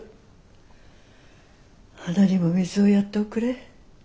花にも水をやっておくれ。